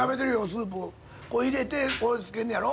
スープこう入れてこうつけんねやろ。